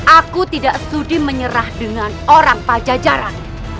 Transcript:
aku tidak sudi menyerah dengan orang pajajaran